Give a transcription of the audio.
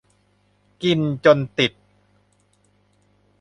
กินจนติด